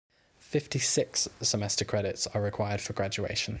Fifty-six semester credits are required for graduation.